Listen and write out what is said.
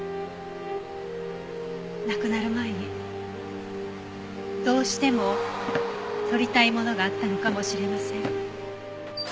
亡くなる前にどうしても撮りたいものがあったのかもしれません。